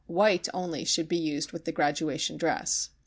White only should be used with the graduation dress.